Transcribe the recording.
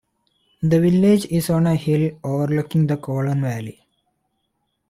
The village is on a hill overlooking the Coulon valley.